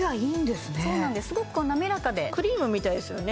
すごくこうなめらかでクリームみたいですよね